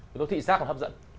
đầu tối thị xác còn hấp dẫn